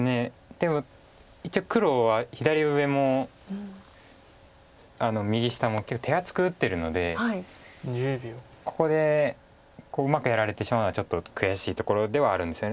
でも一応黒は左上も右下も手厚く打ってるのでここでうまくやられてしまうとちょっと悔しいところではあるんですよね